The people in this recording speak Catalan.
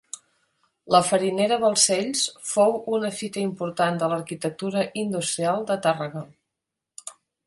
La farinera Balcells fou una fita important de l'arquitectura industrial de Tàrrega.